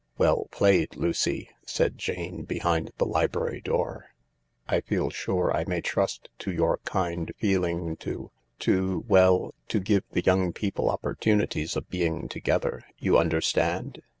" Well played, Lucy !" said Jane, behind the library door. " I feel sure I may trust to your kind feeling to— to well, to give the young people opportunities of being to gether—you understand